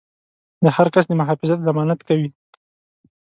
د هر کس د محافظت ضمانت کوي.